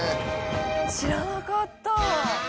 知らなかった！